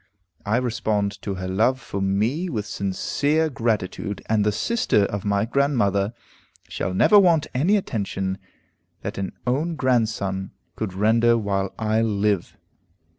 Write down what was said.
I respond to her love for me with sincere gratitude, and the sister of my grandmother shall never want any attention that an own grandson could render while I live.